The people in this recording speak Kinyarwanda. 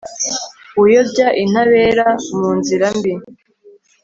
uyobya intabera mu nzira mbi